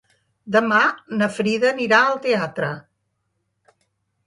Demà na Frida anirà al teatre.